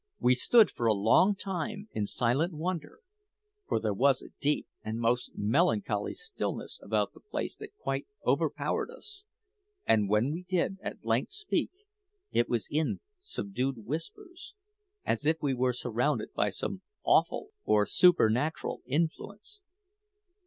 We stood for a long time in silent wonder, for there was a deep and most melancholy stillness about the place that quite overpowered us; and when we did at length speak, it was in subdued whispers, as if we were surrounded by some awful or supernatural influence.